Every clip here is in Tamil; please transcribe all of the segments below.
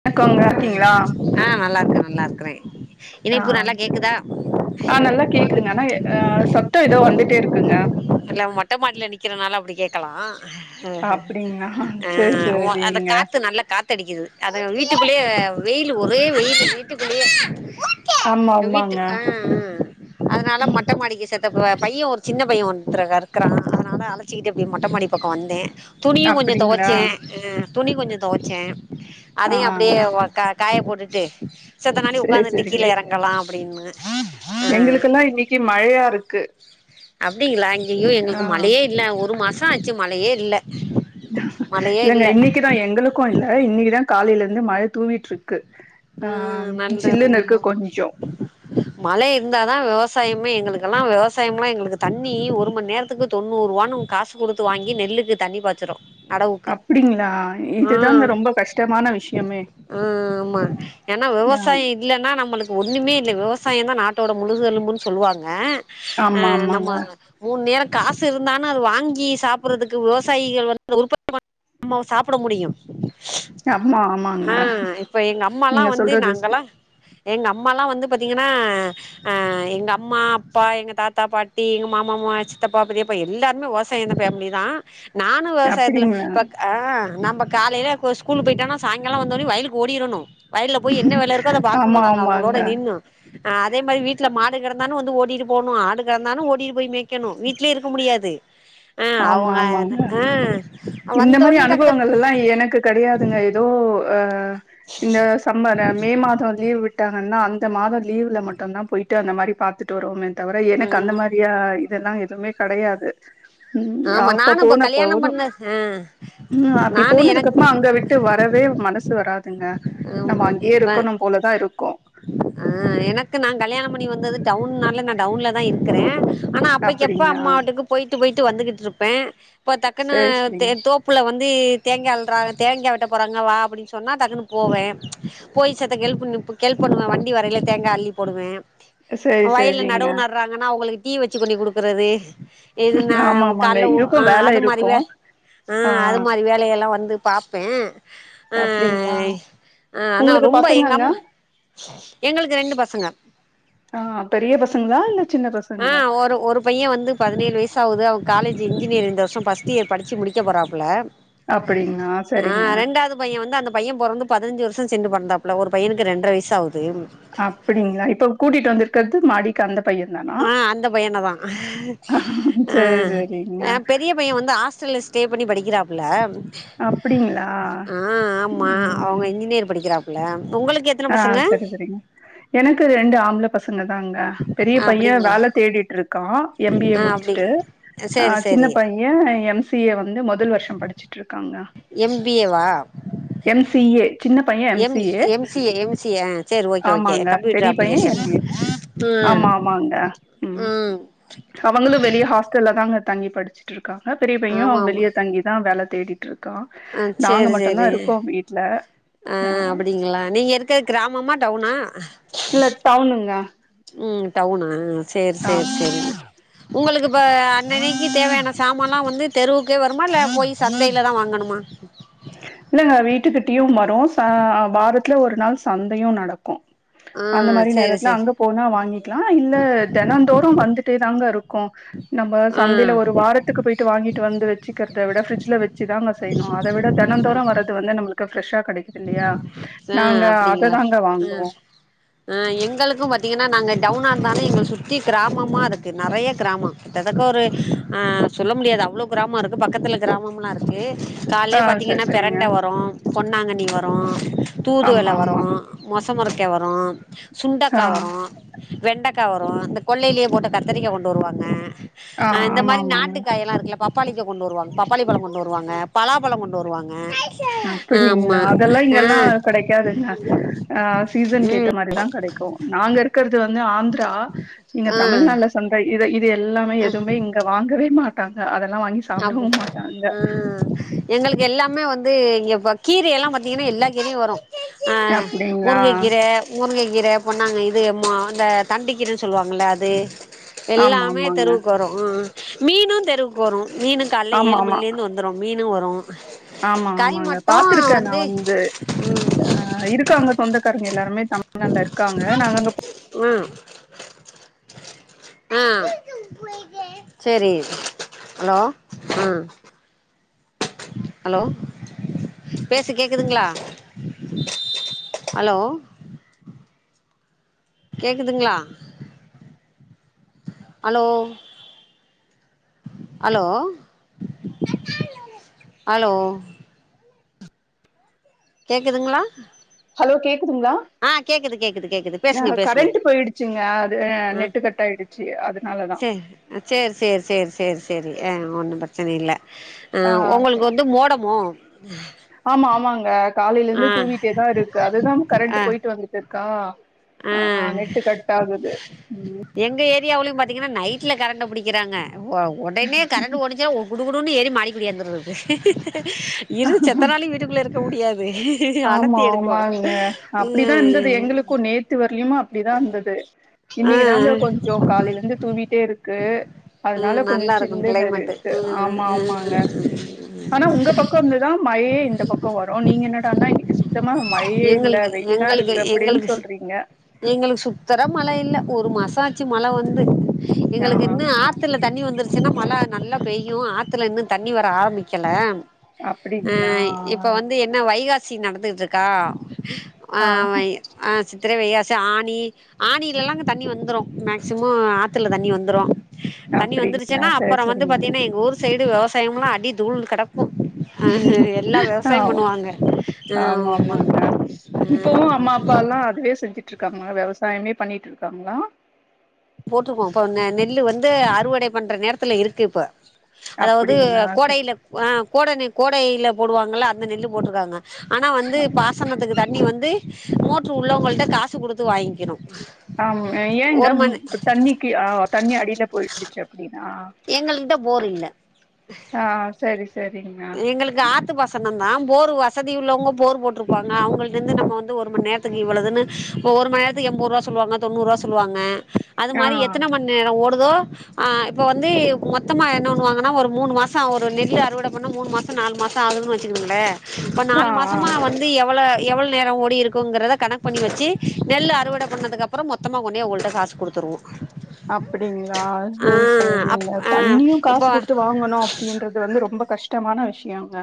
வணக்கோமங்க நல்லாருக்கீங்ளா ஆ நல்லா இருக்க நல்ல இருக்குறே ஆஹ் ஆஹ் நல்லா கேக்குதுங்க ஆனா அஹ் சத் த்தோ எதோ வந்துட்டே இருக்குங்க இல்ல மொட்ட மாடியில நிக்கறனால அப்டி கே்கலா அப்டிங்களா சேரி அந்த சேரிங்க காத்து நல்ல காத்த அடிக்குது அது வீட்டுக்குள்ளயே வெய் லவ் ஒரே வெயில் வீட்டுக்குள்ளயே ஆமா வீட்டு ஆமாங்க ஆஹ்ஹ் அதனால மொட்ட மாடிக்கு அந்த ப பையன் ஒரு சின்ன பையன் ஒன்னு ன்றுக்கிறான் அதனால அழச்சுக்கிட்டு அப்டியே மொட்ட மாடி பக்கோ வந்த துணியு கொஞ்சோ அப்டிங்களா துவைச்சே உஹ துணி கொஞ்ச தொவச்சே அதையு அப்படியே ஒ கா காய போட்டுட்டு செத்த நாழி சேர் உக்காந்துட்டு கீழ சேரிங்க எறங்கலா அப்டின்னு ஆ எங்களுக்கெல்லா இன்னைக்கு மழையா இருக்கு அப்டிங்களா இங்கேயே ஆ எங்களுக்கு மழையே இல்ல ஒரு மாச ஆச்சு மழையே இல்ல மழையே இல்லங்க இல்ல இன்னைக்குதா எங்களுக்கு இல்ல இன்னைக்குதா காலைல இருந்து மழ தூவி ட்ருக்கு ம் நல்லது கொஞ்சோ மழை இருந்தாதா விவசா சாயமே எங்களுக்கல்லா வெவசாயம்லா எங்களுக்கு தண்ணி ஒரு மண் நேர்த்துக்கு தொண்ணூறுவான்னு காசு குடுத்து வாங்கி நெல்லுக்கு தண்ணி பாச்சுறோ அப்டிங்ளா இதுதாங்க ரொம்ப கஷ்டமான விஷ்யமே ஆ ஆமா ஏன்னா விவசாய இல்லனா நா நம்மளுக்கு ஒன்னுமே இல்ல விவசாய தா நாட்டோட முதுகெலும்புன் சொல்வாங்க அ ஆமா நம்ம ஆமாங்க மூண் நேர காசு இருந்தானா அது வாங்கி சாப்புற்றதுக்கு விவசாயிகள் வந்து உற்பத்தி பண்ணா தா சாப்புட முடியு அம்மா ஆமாங்க கல்லா நீங்க வந்து சொல்றது ஸ் நாங்களா எங்க அம்மாலா வந்து பாத்தீங்கன்னா அ எங்க அம்மா அப்பா எங்க தாத்தா பாட்டி எங்க மாமாமாமா எங் சித்தப்பா பெதியப்பா எல்லாருமே வவசாயந்த ஃபேம்லிதா நானு வெவசாயத்துல அப்டிங்களா இப்பக் அ நம்ப காலைல கோ ஸ்கூலு போயிட்டோனா சாய்ங்கால வந்தோனே வயலுக்கு ஓடிரணு வயல்ல போய் என்ன வேல இருக்கோ அத ஆமா பாக்கணு நாங்க ஆமாங்க அவுங்களோட நின்னு அதே மாரி வீட்ல மாடு கடந் வந்து ஓட்டிட்டு போனு ஆடு கடந்தாலு ஓட்டி போய் மேய்கெணு வீட்லே இருக்க முடியாது ஆ ஆமா அவங்க ஆமாங்க ஆ இந்த மாரி வந்தோனே டக்கு டக்கு அனுபவங்கள் எல்லா எனக்கு கடையாதுங்க ஏதோ அ இந்த சம்ம மே மாதோ லீவ் விட்டாங்க னா அந்த மாத லீவ்ல மட்டுந்தா போயிட்டு அந்த மாரி பாத்துட்டு வருவோமே தவர எனக்கு ம் அந்த மாரியா லா எதுமே கெடையாது ம், ஆமா அப்ப நானு இப்ப கல்யாணம் போனப்போவு பண்ண ஆ ம் அப்டி நானு எனக் போனதுக்கப்றமா அங்க விட்டு வரவே மனசு வராதுங்க நம்ம ஆமா அங்கேயே இப்ப இருக்கணுபோலதா இருக்கு ஆ எனக்கு நா கல்யாணம் பண்ணி வந்தது டவுன்னால நா டவுன்லதா இருக்குறே ஆனா அப்பக்கி அப்ப அப்டிங்களா? அம்மா வீட்டுக்கு போயிட்டு போயிட்டு வந்துகிட்டு இருப்பே இப்ப தக்குன்னு சரி சரிங்க. தோப்புல வந்து தேங்கா அள்றாங்க தேங்காய் வெட்ட போறாங்க வா அப்டின்னு சொன்னா டக்குன்னு போவே போய் செத்த ஹெல்ப் பண்ணி ஹெல்ப் பண்ணுவே வண்டி வரயில தேங்கா அள்ளி போடுவே சரி வயல்ல சரிங்க. நடவு நடுறாங்கன்னா அவுங்குளுக்கு டீ வச்சி கொண்டு போய் குடுக்குறது இதுனா ஆமா ஆமாங்க. கால்ல ஓ ஆ இருக்கும் வேல அது மாரி இருக்கும். வேல ஆ அது மாரி வேலையெல்லா வந்து பாப்பே ஆ அப்டிங்களா ஆ ஆனா உங்களுக்கு ரொம்ப எங்க பசங்கங்க அம்மா எங்களுக்கு ரெண்டு பசங்க ஆ பெரிய பசங்களா இல்ல சின்ன ஆ பசங்களா ஒரு ஒரு பையே வந்து பதினேழு வயசு ஆவுது அவே காலேஜ் இன்ஜினியர் இந்த வருஷோ ஃபர்ஸ்ட் இயர் படிச்சி முடிக்க போறாப்ல அப்டிங்களா ஆ சரிங்க ரெண்டாவது பையே வந்து அந்த பையே பொறந்து பதினஞ்சி வரு ஷோ செண்டு பெறந்தாப்ல ஒரு பையனுக்கு ரெண்ற வயசு சௌதையும் அப்படிங்களா இப்ப கூட்டிட்டு வந்துருக்குறது மாடிக்கு அந்த பையன் தானா ஆஅந்த பையன தா அ சரி சரிங்க அ பெரிய பையேன் வந்து ஹாஸ்டல்ல ஸ்டே பண்ணி படிக் கிறாப்புல அப்டிங்களா ஆ ஆம்மா அவுங்க ம் இன்ஜினியேர் படிக்கிறா இல்லம் ஆ சரி சரிங்க எனக்கு ரெண்டு ஆம்பள தின்னுதாங்க பெரிய பையே அப்டிங்க வேல தேடிட்டு இருக்கா எம் பி ஏ ஆ அப்டி முடுச்சிட்டு அ சேரி ஜின்ன சேரி பையே எம் சி ஏ வந்து மொ தல் வருஷோ படுச்சிட்டு இருக் காங்க எம் பி ஏ வா எம் சி ஏ சின்ன பையே M C A M C M C A அ சேரி ஓகே ஓகே ஆமாங்க கம்பூட்டர் பெரிய பையன் அப்ளிகேஷன் எம் பி ஏ உம் ஆமா ஆமாங்க ம் உம் அவங்களு வெளிய ஹாஸ்டல்ல தாங்க தங்கி படிச்சிட்டுருக் காங்க பெரிய பையேன் வெளிய தங்கிதா வேல தேடி ட்ருக்கா ஆ நாங்க சேரி மட்டுதா சேரி இருக்கோ வீட்டுல ஆ க கிராமமா டவுன்னா இல்ல டவுனுங்க ம் டவுன்னா சேர் ஆ சேர் சேரி உங்களுக்கு இப்ப அன்னனைக்கு தேவையான சாமான்லா வந்து தெருவு கே வருமா இல்ல போய் சந்தையில தா வாங்கணுமா இல்லங்க வீட்டுக்கிட்டயு வார் ரு வாரத்துல ஒரு நாள் சந்தையு நடக்கு அந்த ஆ மாரி சேரி நேரத்துல சேரி அங்க போனா வாங்கிக்கலா இல்ல தெனந்தோறு வந்துட்டே தாங்க இருக்கு க்கு நம்ம ஆ சந்தையில ஒரு வாரத்துக்கு போயிட்டு வாங்கிட்டு வந்து வெச்சுக்கற அத விட ஃபிரிஜ்ஜுல வெச்சுதாங்க செய்னு அத விட தன் தெனதோரு வரது வந்து நம்மளுக்கு ஃப்ரெஷ்ஷ கெடைக்தில்லையா ஆ அப்பிடிங்களா ஆ ஆ எங்களுக்கு பாத்தீங்கன்னா நாங்க டவுன் [unintelligible] எங்கள சுத்தி கிராமமா இருக்கு நெறைய கிராமோ கிட்டத்தக்க ஒரு சொல்ல முடியாது அவ்வளோ கிராமோ இருக்கு பக்கத்துல கிராமம்லா இருக்கு ஆ கால்லையே சரி பாத்தீங்கன்னா சரிங்க பேரண்டே வரு பொன்னாங்கண்ணி வரு தூதுவல ஆமா வரு ஆமா மொச முருக்காய் வரு ஆ சுண்டக்கா வர வெண்டைக்கா வரு இந்த கொள்ளையிலயே போட்டு கத்திரிக்கா கொண்டு வருவாங்க ஆ இந்த ஆமா மாரி ஆமாங்க நாட்டுக்காய்ல்லா இருக்கல பப் பப்பாளிக்க கொண்டு வருவாங்க பப்பாளி பழோ கொண்டு வருவாங்க பலாப்பழோ கொண்டு வருவாங்க அப்படிங்களா ஆமா அதெல்லா ஆ இங்கெல்லாம் கெடைக்க காதுங்க சீசன் ஆ ஏத்த ம் மாரிதா கெடைக்கு நாங்க இருக்கிறது ந்து ஆந்த ட இங்க ஆ தமிழ்நாடுல சந்த இத இ எல்லாமே எதுவுமே இங்க வாங்கவே மாட் ட்டாங்க அத அப்டி ஆ எங்களுக்கு எல்லா மே வந்து இங்க கீரை எல்லா பாத்தீங்கன்னா எல்லா கீரையு வரு ஆ அப்டிங்களா முருங்கைக்கிறே முருங்கை கீரை பொண்ணாங்க இது அ தண்டி கீரைன்னு சொல்லுவாங்கள அது ஆமா எல்லாமே ஆமாங்க தெருவுக்கு வரு மீனு தெருவுக்கு வரு மீனுக்கு காலை ஆமா ஏழு ஆமா மணிலே இருந்து வந்துரும் மீன் து வரு ஆமா கறி ஆமாங்க மட்டு பாத்துருக்கே நா வந்து அ இருக்காங்க சொந்த ரங்க எல்லாருமே தமிழ்நாட்ல இருக்காங்க நாங்க அங்க போ ம் அ செரி அலோ அ அலோ பேசு கேக்குதுங்ளா அலோ கேக்குதுங்ளா அலோ அலோ அலோ கேக்குதுங்ளா ஹலோ கே க்குதுங்ளா கேக்குது கேக்குது அ பேசுங்க பேசுங்க கரண்ட்டு போய்டுச்சுங்க அது ஆ நெட்டு கட் ஆயிடுச்சு அதனாலதா செரி அ ஒன்னு ப்ரெச்சன இல்ல அ ஆ உங்களுக்கு சரி வந்து மோடமோ ம் ஆமா ஆமாங்க காலையில இருந்து தூவிட்டே தா இருக்கு அதுதா கரண்ட்டு போய்ட்டு வந்துட்டுருக்கா அ எங்க ஏரியாவ்ளு பா தீங்ன்னா நைட்ல கரண்ட்டு புடிக்கிறாங்க ஒ ஒடனே கரண்டு ஒடிச்சா குடு குடு னு ஏறி மாடிக்கு ஒடியாந்துற்து இரு செத்தனாளி வீட்டுக்குள்ள இருக்க முடியாது ஆமா அனத்தி எடுக்கு ஆமாங்க. அப்படிதான் இருந்தது ம் எங்களுக்கும் நேத்து வரலியுமா அப்டிதா இந்துது இன்னைக்குதாங்க ஆ கொஞ்சோ காலைலருந்து தூவிட்டேருக்கு ஆ அதனால கொஞ்சோ நல்லா இருக்கு சில்லுன்னு கிளைமேட்டு இருக்கு ம் ஆமா ம் ஆமாங்க ம் ஆனா உங்க பக் கோ இருந்துதா மழயே இந்த பக்கோ வரு நீங்க என்னடானா இன்னிக்கு சுத் எங்களுக்கு எங்களுக்கு அப்படின்னு எங்களுக்கு சொல்றீங்க. எங்களுக்கு சுத்தர மழ‌ இல்ல ஒரு மாச மாச்சு மழ வந்து ஆ எங்களுக்கு இன்னு ஆத்துல தண்ணி வந்துர் ச்சுனா மழ நல்லா பெய்யு ஆத்துல இன்னு தண்ணி வர ஆரம்பிக்கல அ அப்படிங்களா? இப்ப வந்து என்ன வைகா சி நடந்துகிட்ருக் க்கா அ ஆ வை அ சித்திர வைகாசி சி ஆணி ஆணிலலா அங்க தண்ணி வந்துரு மேக்சிமோ ஆத்துல தண்ணி வந்துரு தண்ணி அப்படிங்களா? வந்துருச்சுனா சரி அப்பறோ வந்து சரிங்க. பாத்தீங்கன்னா எங்க ஊர் சைடு வெவ சாயம்லா அடி தூள் கட எல்லா ஆ வெவசாயம் பண்ணுவாங்க, ஆமா அ ஆமாங்க இப்பவு அம்மா அப்பாலா அதுவே செஞ்சு ட்டு இருக்காங்ளா வெவசாயமே பண்ணிட்டு இருக்காங்களா போட்ருக்கோ இப்ப நெ நெல்லு வந்து அறுவடை பண்ற நேரத்துல இருக்கு இப்ப அதாவது அப்படிங்களா? சரி. கோடைல ஆ கோட நெ கோடைல போடுவாங்கல்ல அந்த நெல்லு போட்ருக்காங்க ஆனா வந்து பாசனத்துக்கு த தண்ணி வந்து மோட்ரு உள்ளவங்கள்ட்ட காசு குடுத்து வாங்கிக்குனு ஆமா ஏங்க இப்ப தண்ணிக்கி ஆ தண்ணி அடில போய்டிச்சா எங்கள்ட்ட போர் இல்ல ஆ சரி சரிங்க எங்களுக்கு ஆத்து பாசன ந்தா போர் வசதி உள்ளவங்க போர் போட்ருப்பாங்க அவுங்கள்ட்டந்து நம்ம வந்து ஒரு மண்நேரத்துக்கு இவ்வளதுன்னு இப்ப ஒரு மண்நேரதுக்கு எண்பதுரூவா சொல்லுவாங்க தொண்ணூறுரூவா சொல்லுவாங்க அது ஆ மாரி எத்தன மண்நேரோ ஓடுதோ ஆ, இப்ப வந்து மொத்தமா என்ன பண்ணுவாங்கனா ஒரு மூணு மாசோ ஒரு நெல்ல அறுவட பண்ண மூணு மாசோ நாலு மாசோ ஆகுதுனு வச்சுக்குங்களே அப்ப ஆ நாலு ஆ மாசமா வந்து எவ்ளோ எவ்ளோ நேரொ ஓடி இருக்குங்கறத கணக்கு பண்ணி வெச்சு நெல்லு அறுவட பண்ணதுக்கப்பறோ மொத்தமா கொண்டு போய் அவங்கள்ட காசு குடுத்துருவோ அப்டிங்ளா ஆ சேரி அப் சேரிங்க ஆ தண்ணியு காசு இப்போ குடுத்து வாங்கணு அப்படின்றது வந்து ரொம்ப கஷ்டமான விஷியோங்க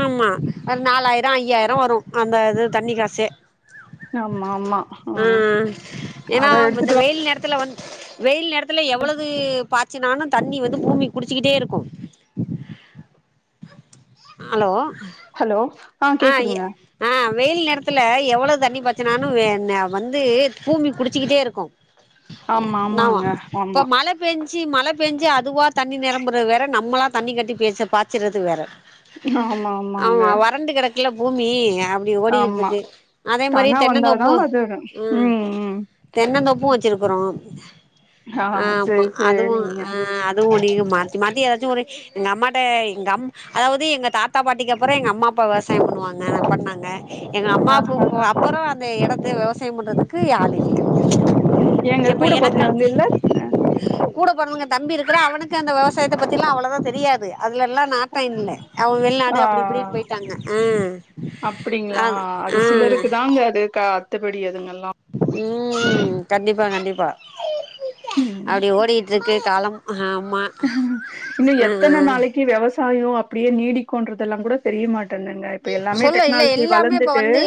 ஆமா ஒரு நாலாயிர ஐயாயிர வரு அந்த இது தண்ணி காசே ஆமா ஆமா ஆ ம் ஏனா அத இந்த எடுத்துட்டு வா வெயில் நேரத்துல வந் வெயில் நேரத்துல எவ்வளவு பாய்ச்சுனாலு தண்ணி வந்து பூமி குடிச்சுக்கிட்டே இருக்கு ஹலோ ஹலோ ஆ கேக்குதுங்க ஆ வெயில் நேரத்துல எவ்வளவு தண்ணி பாச்சனாலு வந்து பூமி குடிச்சிக்கிட்டே இருக்கு ஆமா ஆமாங்க இப்ப ஆமா மழ பெஞ் உச்சி மழ பேஞ்சி அதுவா தண்ணி நெரம்புறது வேற நம்மளா தண்ணி கட்டி பேச் பாச்சறது வேற ஆமாமாங்க குழே பூமீங்க அப்படி ஓடிகிட்டிருக்கு அதே மாரி தானா வந்தாதா தென்னந்தோப்பு அது ம் தென்னந்தோப்பும் வெச்சிருக்கறோ ஆ இத ஆமா சரி அதுவு சரிங்க அ அதுவு ஒலிக மாத்தி மாத்தி எதா த்துரே எங்க அம்மாட்ட எங்கம் அதாவது எங்க தாத்தா பாட்டிக்கு அப்புறொ எங்க அம்மா அப்பாவஸ் வசாயோ பண்ணுவாங்க அனா பண்ணாங்க எங்க அம்மா ஆஹா ப்புபு அப்பறோ அ ந்த எடத்த விவசாயம் பண்றதுக்கு யாளில்ல ஏங்க எப்ப கூட எனக்கு பொறந்தவங்க இல்ல கூட பொறந்தவங்க தம்பி இருக்குறா அவுனுக்கு அந்த விவசாயத்த பத்திலா அவ்ளவா தெரியாது அதுலல்லா நாட்டொ இல்ல அவ வெளிநாடு அப்டி இப்டின் போயிட்டாங்க அப்டிங்ளா ஆ ஆ அது சிலருக்கு தாங்க அது கா த்தப்படி எதுங்கள் உம் கண்டிப்பா கண்டிப்பா ம் அப்டி ஓடிட்ருக்கு காலம் ஹம் இன்னு எத்தன நாளைக்கி வெவஸ் சாயொ அப்பிடியே நீடிக்குன்றதெல்லாங் கூட தெரியமாட் சொல்ல இல்ல எல்லாமே இப்ப வந்து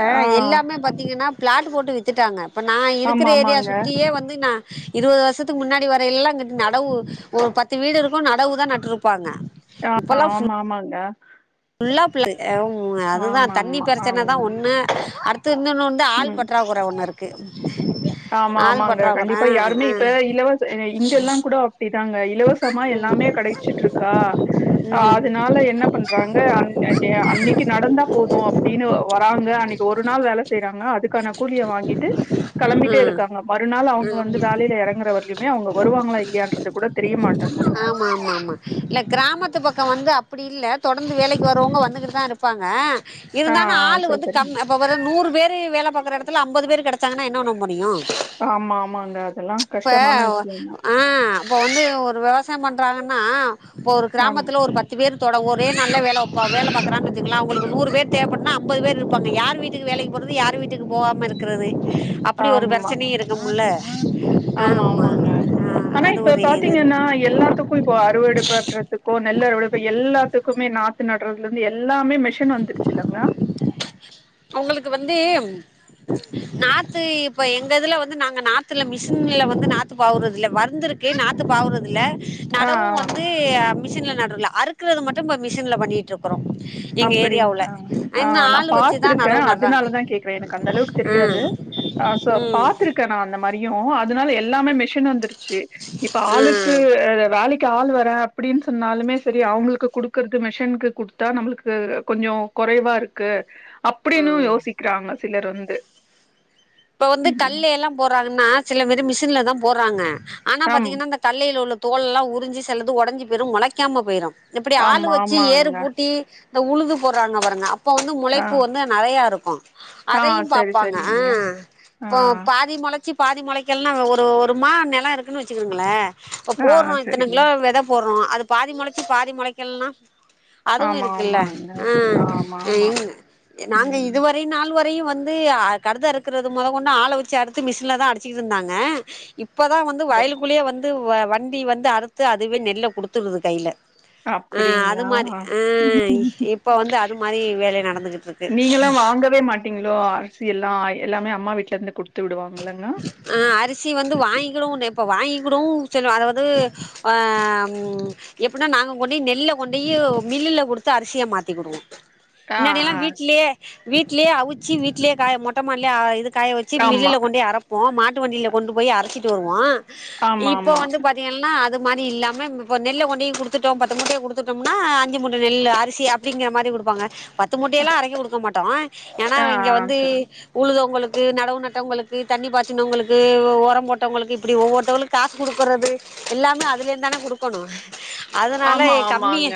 அ ஆ எல்லாமே பாத்தீங்கன்னா பிளாட் போட்டு வித் த்துட்டாங்க ப்ப நா இருக்கிற ஆமா ஏரியா ஆமாங்க சுத்தியே வந்து நா இருவது வருஷத்துக்கு முன்னாடி வர எல்லா அங்கிட்டு நடவு ஒரு பத்து வீடு இருக்கு நடவு தா நட்டுருப்பாங்க ஆஹ் ஆமா ஆமாங்க ல்லா பிளாட்டு அம்மு அதுதா ஆமா தண்ணி ஆமா ஆ பிரச்சின தா ஒன்னு அடுத் து இன்னொன் வந்து ம் ஆள் பற்றாக்குறை ஒன்னு இரு க்கு ஆமா ஆமாங்க கண்டிப்பா யாருமே ஆ இப்ப இலவச அ இங்கெல்லா கூட அப்டி காங்க இலவசமா எல்லாமே கெடைச்சிட்ருக்கா அ ம் அதுனால என்ன பண்றாங்க அன் அதே அன்னிக்கு நடந்தா போது அப்டினு வ வராங்க அன்னிக்கு ஒரு நாள் வேல செய்றாங்க அதுக்கான கூலிய வாங்கிட்டு கெளம்பி ம் ட்டேருக்காங்க மறுநாள் அவுங்க வந்து வேலையில எறங்கறவரைலிமே அவுங்க வருவாங்களா இல்லையான்றது கூட தெரிய மாட்டேங்குதுங்க ஆமா ஆமா ஆமா ல்ல கிராம த்து பக்கோ வந்து அப்படி இல் ல தொடர்ந்து வேலைக்கு வருவாங்க வந்துகட்டு தான் இருக் ப்பாங்க இருந்தாலு ஆ ஆளு சரி வந்து சரிங்க கம் அப்ப வ நூறு பேர் து வேலப் பாக்கற எடத்துல அம்பது பேர் கடை டாங்கன்னா என்ன பண்ண முடியு ஆமா ஆமாங்க அதெல்லா கஷ்டமான விஷயந்தா இப்போ வந்து ஒரு விவசாயம் பண்றாங்கன்னா இப்ப ஒரு ஆம் கிராமத்துல ஒரு பத்து பேரு தொட ஒர நாள்ல வேலபாப் வேலபாக்கறனு வச்சிக்கலே அவங்களுக்கு நூறு பேர் தேவப்பட்டனா ஐம்பது பேர் இருப்பாங்க யார் வீட்டுக்கு வேலைக்கு போகறது யார் வீட்டுக்குகாம இருக்கிறது அப்படி ஒரு ஆமா பிரச்சனையு இருக்கும்ல ஆமா ஆமாங்க ஆ ஆனா அது இப்ப ஒரு இது பாத்தீங்கன்னா இருக்கு எல்லாத்துக்கு இப்போ அறுவடு பண்றதுக்கு ஓ நெல்ல அருவடைசெய்ய எல்லாத்துக்குமே நாத்து நடடுறதுல இருந்து எல்லாம் மே மிஷின் வந்துருச்சுலங்க உங்களுக்கு வந்து நாத்து இப்ப எங்க இதுல வந்து நாங்க நாத்துல மிஷின்ல வந்து நாத்து பாவறதுல்ல வருந்துருக்கு நாத்து பாவறது இல ஆ நடவு ஆ வந்து மிஷின்ல நடுரல அறுக்குறது மட்டு மிஷின்ல பண்ணிட்டு இருக்கிறோ அப்படிங்ன ஆனா நான் ஆளு பா த்து வச்சுதா இருக்கே நடவு நடுறாங்க அதனாலதா கேக்குறே எனக்கு அந்த அளவுக்கு தெரியாது் ம் சோ ம் பாத்திருக்கே நான் அந்த மாதிரி தெரியு அதுனாலெ எல்லாமே மிஷீன் வந்துருச் சி இப்ப ஆளுக்கூ ம் வேலைக் கே ஆள் வரே அப்பிடீன் சொன்னாலுமே செரி அவுங்குளுக்கு குடுக்கற்து மெஷென்க்கு குடுத்தா நம்ளுக் கூ கொஞ்சோ கொறைவாருக்கு அப்பிடின்னு யோசிக்கிறாங்க சிலர்வந்து இப்போ வந்து கல்ல எல்லா போறாங்குன்னா சில மெரி மிஷின்லெ தா போட்றாங்க ஆனா ஆம் பாத்தீங்கினா இந்தெ கல்லெயில்லுலக் தோல்லா உரிஞ்சி செல்லது ஒடஞ்சி போயிரு மொளைக்காமெ போயிரு இப்பிடி ஆளு ஆமா வச்சி ஏரு ஆமாங்க பூட்டீ இந்தெ உழுது போடுறாங்க பாருங்க இப்போ வந்து ஆ முளைப்பு வந்து நறயாருக்கு ஆ அதையிம் சரி பாப்பாங்கெ சரிங்க ஆ இப்போ பாதி மொளச்சி பாதி மொளைக்கெலேன்னா ஒரு ஒரு மா நெலோ இருக்குன்னு வச்சுக்குங்களே ஆ அப்போட்றோ சரிங்க இத்தனெக்லே வெதெ போட்றோ அது பாதி மொளச்சி பாதி முளைக்கெல்லா அதுவு ஆமா இருக்கெல்லெ ஆமாங்க ஆமா ஆமா ம் நாங்க ம் இதுவரை நாலு வரு இதையு வந்து கருதறுக்க க்குரது மொதொகொண்டு ஆள வச்சி அடுத்து மிஷின்ல தா அடிச்சிகிட்ருந்தாங்க இப் ப்பதா வந்து சரிங்க வயலுக்குள்ளே வந்து வ வண்டி வந்து அறுத்து அதுவே நெல்ல குடுத்துருது கைல ஆ அது அப்டிங்களா மாரி அ இப்போ வந்து அது மாரி வேலை நடந்துகுட்ருக்கு நீங்கல்லா வாங்கவே மாட்டீங்களோ அரிசி எல்லா எல்லாமே அம்மா வீட்லேர்ந்து குடுத்து விடுவா அ அரிசி வந்து வாயி கினூப்ப வாங்குகுடுவு செலு அதாது அ ம் எப்புனா நாங்கொண்டி நெல்ல கொண்டுயி மில்லுல குடுத்து அரிசியா மாத்திகுடுவோ ஆ முன்னாடி எல்லா ஆ வீட்லே வீட் கிலே அவுச்சி வீட்லே காய மொட்ட மாட்லே அ இது காய வெச்சி ஆமா மில்லுலெ கொண்டி அரப் போ மாட்டு வண்டியல கொண்டு போய் அரச்சிட்டு வருவா ஆமா இப்போ ஆமா வந்து பாத்தீங்கல்னா அதுப் மாரி இல்லாம்ம இப்பொ நெல்ல கொண்டியு குடுத்துட்டோ பத்து மூட்டைய குடுத்துட்டோம்னா அஞ்சி மூட்ட நெல்லூ அரிசிஅப்டிங்கிற மாரி குப்பாங்க பத்து மூட்டயெல்லா அரேக்க குடுக்க மாட்டோ ஏனா ஆ இங்கெ ஆ வந்து சரி உழுதவ்ங்குளுக் கு நடவு நட்டவ்களுக்கு தண்ணி பாய்சினவ்களுக்கு ஒரம் போட்டவங்களுக்கு இப்படி ஒவ்வொட்டவங்களுக்கு காசு கொடுக்கறது எல்லாமே அதுலேந்துந்தான குடுக்கணு அதனால ஆமா கம்மிய ஆமாங்க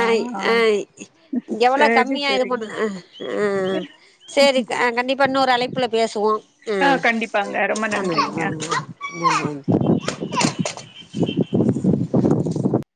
ஆ ஆ ஆ எவ்ள சரி கம்மியா இது சரிங்க பண்ணு ஆ ஆ சேரி க கண்டி இன்னொரு அழைப்புல பேசுவோ ஆ கண்டிப்பாங்க ரொம்ப நன்றிங்க ம் ம்